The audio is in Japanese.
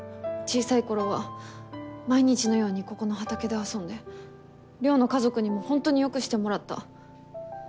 小さい頃は毎日のようにここの畑で遊んで稜の家族にも本当に良くしてもらった。